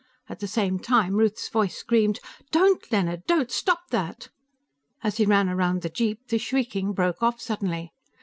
At the same time, Ruth's voice screamed. "Don't! Leonard, stop that!" As he ran around the jeep, the shrieking broke off suddenly.